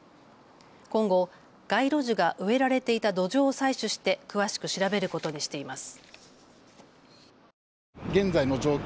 今後、街路樹が植えられていた土壌を採取して詳しく調べることにしています。